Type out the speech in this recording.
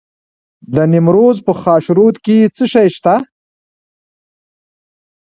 د نیمروز په خاشرود کې څه شی شته؟